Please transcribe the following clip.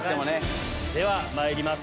ではまいります。